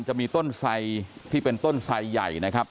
จะมีต้นไสที่เป็นต้นไสใหญ่นะครับ